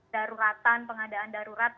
daruratan pengadaan darurat